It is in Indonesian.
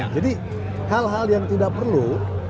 jadi hal hal yang tidak perlu